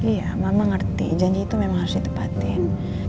iya mama ngerti janji itu memang harus ditepatin